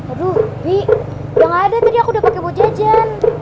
aduh nih udah gak ada tadi aku udah pake bojajan